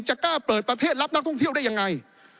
จะกล้าเปิดประเทศรับนักท่องเที่ยวได้ยังไง